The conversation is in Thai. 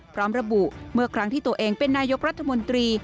พร้อมระบุเมื่อครั้งที่ตัวเองเป็นนายกรัฐมนตรี